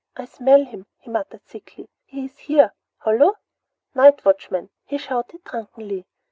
"I smell him!" he muttered thickly. "He's here! Hullo! Night watchman!" he shouted drunkenly.